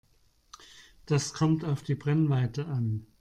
Das kommt auf die Brennweite an.